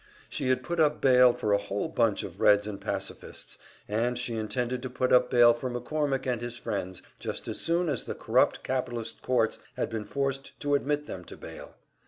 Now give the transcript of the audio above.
She had put up bail for a whole bunch of Reds and Pacifists, and she intended to put up bail for McCormick and his friends, just as soon as the corrupt capitalist courts had been forced to admit them to bail.